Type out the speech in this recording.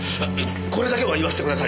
これだけは言わせてください。